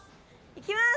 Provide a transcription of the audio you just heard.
いきます！